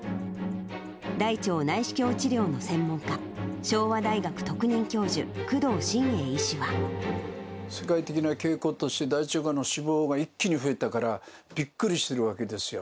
大腸内視鏡治療の専門家、昭和大学特任教授、世界的な傾向として大腸がんの死亡が一気に増えたから、びっくりしてるわけですよ。